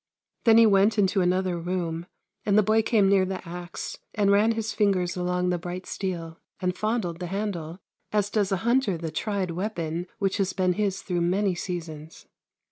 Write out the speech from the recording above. Then he went into another room, and the boy came near the axe and ran his fingers along the bright steel, and fondled the handle, as does a hunter the tried weapon which has been his through many seasons.